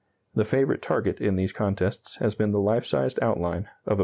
The favorite target in these contests has been the life sized outline of a battleship.